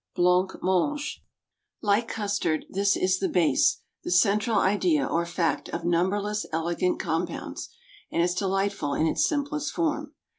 Blanc mange. Like custard, this is the base—the central idea, or fact—of numberless elegant compounds, and is delightful in its simplest form.